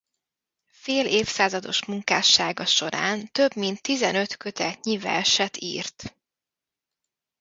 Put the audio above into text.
Fél évszázados munkássága során több mint tizenöt kötetnyi verset írt.